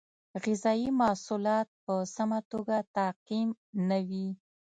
غذایي محصولات په سمه توګه تعقیم نه وي.